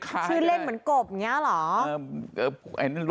ชื่อเล่นเหมือนกบเนี้ยหรอ